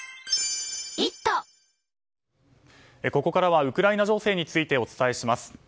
ここからはウクライナ情勢についてお伝えします。